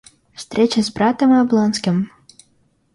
Встреча с братом и Облонским.